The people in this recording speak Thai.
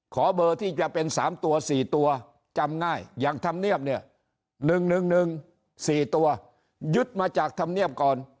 ขอเบอร์ที่จะเป็น๓ตัว๔ตัวจำง่ายอย่างธรรมเนียบเนี่ย๑๑๑๔ตัวยึดมาจากธรรมเนียบก่อน